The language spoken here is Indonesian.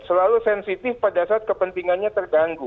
selalu sensitif pada saat kepentingannya terganggu